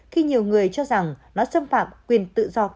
khi nhiều người cho rằng nó xâm phạm quyền tự do cá nhân của họ